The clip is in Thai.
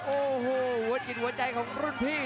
โอ้โหหัวจิตหัวใจของรุ่นพี่